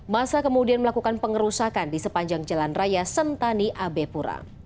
masa kemudian melakukan pengerusakan di sepanjang jalan raya sentani abe pura